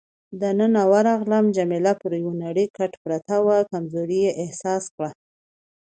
دننه ورغلم، جميله پر یو نرۍ کټ پرته وه، کمزوري یې احساس کړه.